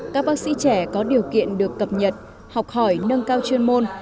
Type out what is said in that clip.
các bác sĩ trẻ có điều kiện được cập nhật học hỏi nâng cao chuyên môn